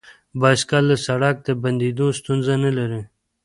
بایسکل د سړک د بندیدو ستونزه نه لري.